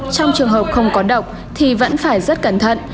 trong trường hợp không có độc thì vẫn phải rất cẩn thận